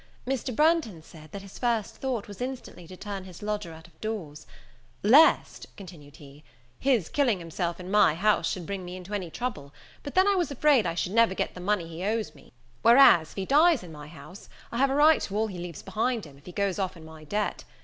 Mr. Branghton said, that his first thought was instantly to turn his lodger out of doors, "Lest," continued he, "his killing himself in my house should bring me into any trouble: but then I was afraid I should never get the money that he owes me; whereas, if he dies in my house, I have a right to all he leaves behind him, if he goes off in my debt.